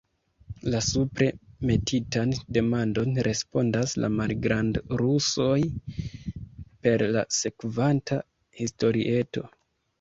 La supre metitan demandon respondas la malgrand'rusoj per la sekvanta historieto.